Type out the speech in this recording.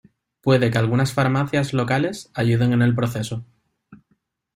Puede que algunas farmacias locales ayuden en el proceso.